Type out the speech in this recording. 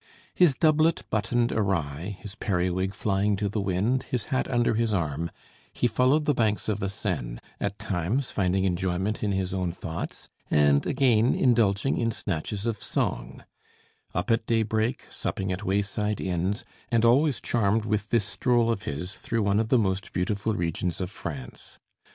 His doublet buttoned awry, his periwig flying to the wind, his hat under his arm, he followed the banks of the Seine, at times finding enjoyment in his own thoughts and again indulging in snatches of song; up at daybreak, supping at wayside inns, and always charmed with this stroll of his through one of the most beautiful regions of France.